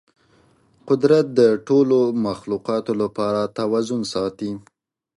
قدرت د ټولو مخلوقاتو لپاره توازن ساتي.